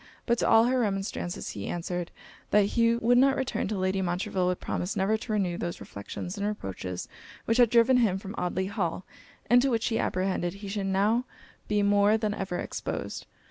But to all her remonstrances, he answered 'That he would not return, till Lady Montreville would promise never to renew those reflections and reproaches which had driven him from Audley Hall; and to which he apprehended he should now be more than ever exposed.'